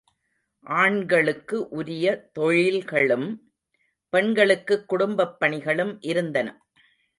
ஆண்களுக்கு உரிய தொழில்களும், பெண்களுக்குக் குடும்பப் பணிகளும் இருந்தன.